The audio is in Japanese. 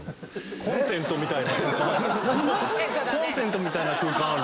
コンセントみたいな空間あるな。